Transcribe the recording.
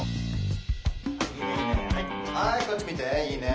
はいこっち見ていいね。